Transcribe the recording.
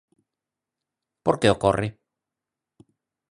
Por que ocorre?